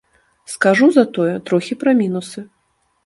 Скажу затое трохі пра мінусы.